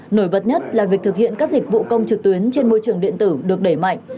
nổi bật nhất là việc thực hiện các dịch vụ công trực tuyến trên môi trường điện tử được đẩy mạnh